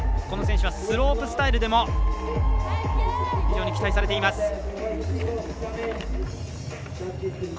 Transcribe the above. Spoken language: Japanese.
この選手はスロープスタイルでも非常に期待されています。